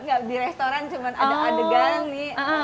nggak di restoran cuma ada adegan nih